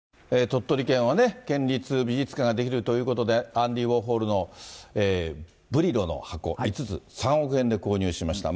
鳥取県はね、県立美術館が出来るということで、アンディ・ウォーホルのブリロの箱５つ、３億円で購入しました。